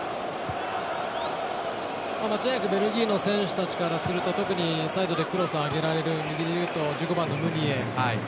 間違いなくベルギーの選手たちからすると特にサイドでクロスが上げられる１５番のムニエ。